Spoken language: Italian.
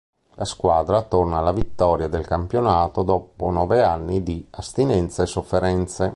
La squadra torna alla vittoria del campionato dopo nove anni di astinenza e sofferenze.